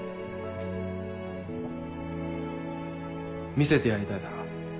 見せてやりたいだろ。